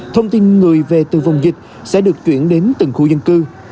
thông tin người về từ vùng dịch sẽ được chuyển đến từng khu dân cư